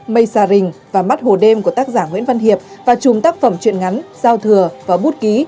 mây sa rình và mắt hồ đêm của tác giả nguyễn văn hiệp và chùm tác phẩm chuyện ngắn giao thừa và bút ký